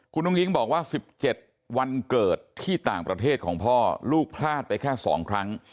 คุณอุ้งอิ๊งบอกว่า๑๗วันเกิดที่ต่างประเทศของพ่อลูกพลาดไปแค่๒ครั้ง